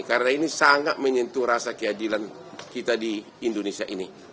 karena ini sangat menyentuh rasa keadilan kita di indonesia ini